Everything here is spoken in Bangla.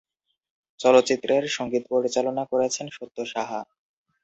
চলচ্চিত্রের সঙ্গীত পরিচালনা করেছেন সত্য সাহা।